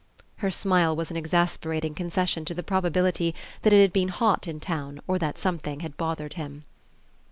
Her smile was an exasperating concession to the probability that it had been hot in town or that something had bothered him.